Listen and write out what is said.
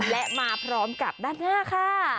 และมาพร้อมกับด้านหน้าค่ะ